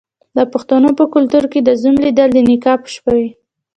د پښتنو په کلتور کې د زوم لیدل د نکاح په شپه وي.